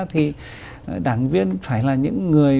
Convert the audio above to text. thì đảng viên phải là những người